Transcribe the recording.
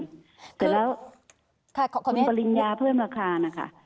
เสร็จแล้วคุณปริญญาเพิ่มราคานะคะ